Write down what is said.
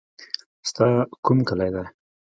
ستا کوم کلی دی.